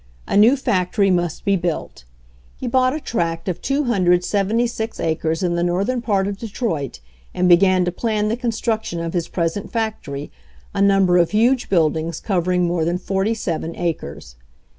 A new factory must be built. He bought a tract of 276 acres in the northern part of Detroit and began to plan the construction of his present factory, a num ber of huge buildings covering more than forty seven acres.